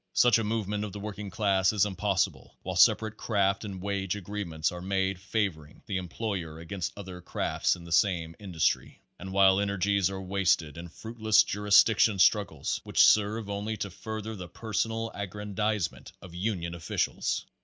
Such a movement of the working class is impossible while separate craft and wage agreements are made favoring the employer against other crafts in the same industry, and while energies are wasted in fruitless jurisdiction struggles which serve only to fur ther the personal aggrandizement of union officials.